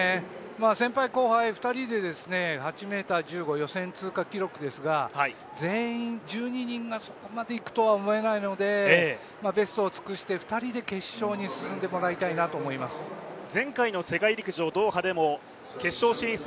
先輩後輩２人で８ｍ１５予選通過記録ですが全員、１２人がそこまで行くとは思えないのでベストを尽くして、２人で決勝に進んでもらいたいと前回の世界陸上ドーハでも決勝進出